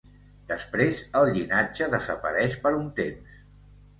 Després el llinatge desapareix per un temps.